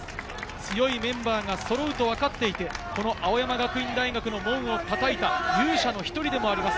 強いメンバーがそろうと分かっていて、青山学院大学の門をたたいた勇者の１人でもあります。